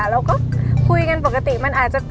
เราก็คุยกันปกติมันอาจจะ